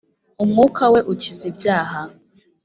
umwuka we ukiza ibyaha.